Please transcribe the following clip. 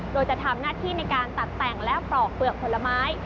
โดยจะทำหน้าที่ในการตัดแต่งและปลอกเปลือกผลไม้